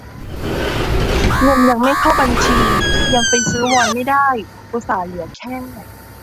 เงินยังไม่เข้าบัญชี ยังไปซื้อวอนไม่ได้ อุตส่าห์เหลือแค่